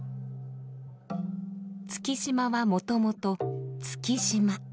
月島はもともと「築島」。